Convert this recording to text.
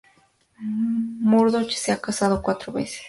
Murdoch se ha casado cuatro veces.